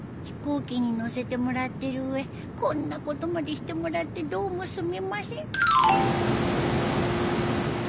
飛行機に乗せてもらってる上こんなことまでしてもらってどうもすみません。